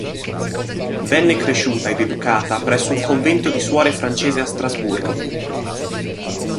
Venne cresciuta ed educata presso un convento di suore francese a Strasburgo.